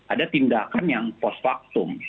ada tindakan yang post factum